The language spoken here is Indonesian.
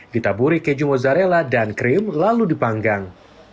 ditaburi keju mozzarella dan krim lalu dipanggang